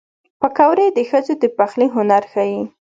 پکورې د ښځو د پخلي هنر ښيي